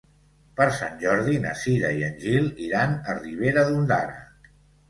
Per Sant Jordi na Cira i en Gil iran a Ribera d'Ondara.